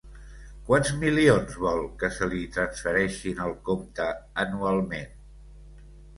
Quants milions vol que se li transfereixin al compte anualment?